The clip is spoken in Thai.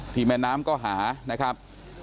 แม่น้ำก็หานะครับ